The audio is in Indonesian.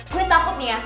gue takut nih ya